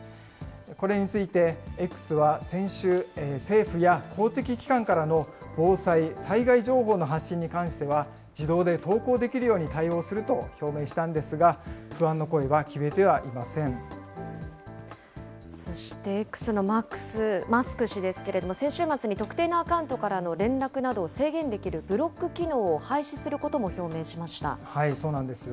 これについてＸは先週、政府や公的機関からの防災・災害情報の発信に関しては、自動で投稿できるように対応すると表明したんですが、不安の声は消えてはそして、Ｘのマスク氏ですけれども、先週末に特定のアカウントからの連絡などを制限できるブロック機そうなんです。